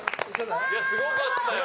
すごかったよ。